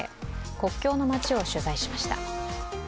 国境の街を取材しました。